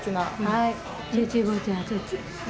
はい。